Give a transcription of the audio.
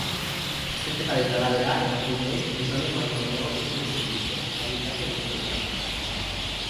Azterketaren arabera, emakumeek gizonek baino gehiago kontsumitzen dituzte, adin-tarte guztietan.